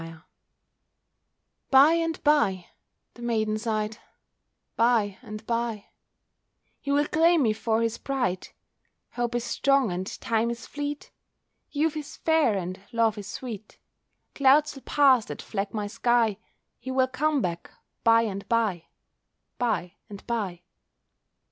BY AND BYE "By and bye," the maiden sighed—"by and bye He will claim me for his bride, Hope is strong and time is fleet; Youth is fair, and love is sweet, Clouds will pass that fleck my sky, He will come back by and bye—by and bye."